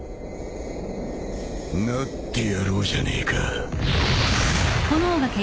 なってやろうじゃねえか。